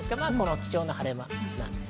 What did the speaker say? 貴重な晴れ間です。